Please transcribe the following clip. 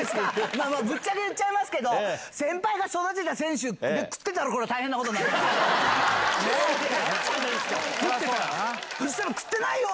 まあまあ、ぶっちゃけ言っちゃいますけど、先輩が育てた選手、食ってたらこれ、大変なことになるんですよ。